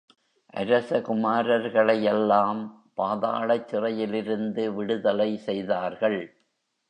அரசகுமாரர்களையெல்லாம் பாதாளச் சிறையிலிருந்து விடுதலை செய்தார்கள்.